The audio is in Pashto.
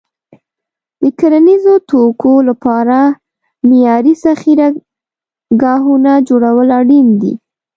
د کرنیزو توکو لپاره معیاري ذخیره ګاهونه جوړول اړین دي.